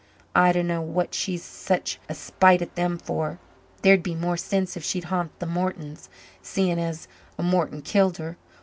I dunno what she's sich a spite at them for there'd be more sense if she'd haunt the Mortons, seein' as a Morton killed her.